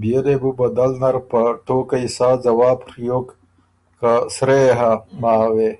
بيې لې بُو بدل نر په ټوقئ سا ځواب ڒیوک که سرۀ يې هۀ ”ماوې“